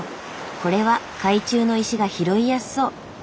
これは海中の石が拾いやすそう。